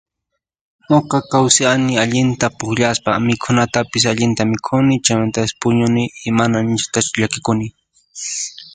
Nuqa kawsiani allinta puriaspa mikhunatapis allinta mikhukuni chaymantapas puñuni mana nishutachu llakikuni.